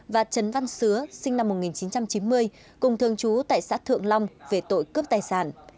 và trấn văn sứa sinh năm một nghìn chín trăm chín mươi cùng thường trú tại xã thượng long về tội cướp tài sản